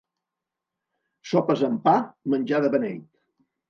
Sopes amb pa, menjar de beneit.